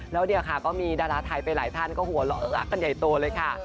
แล้วเดี๋ยวก็มีดาราถ่ายไปหลายท่านก็หัวหลอกกันใหญ่โตเลยค่ะ